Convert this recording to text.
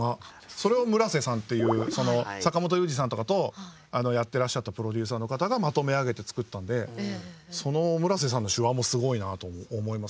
それを村瀬さんっていう坂元裕二さんとかとやってらっしゃったプロデューサーの方がまとめ上げて作ったんでその村瀬さんの手腕もすごいなと思います。